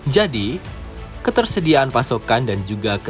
jadi ketersediaan pasokan dan juga kemampuan